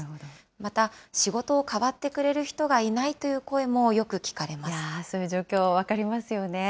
また、仕事を代わってくれる人がいやー、そういう状況、分かりますよね。